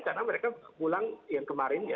karena mereka pulang yang kemarin